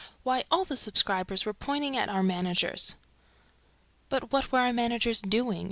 ... Why, all the subscribers were pointing at our managers!" "But what were our managers doing?"